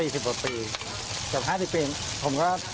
จน๕๐ปีผมก็